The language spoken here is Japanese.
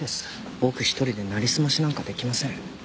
僕一人でなりすましなんかできません。